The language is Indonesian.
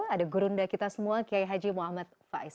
ada gurunda kita semua kiai haji muhammad faiz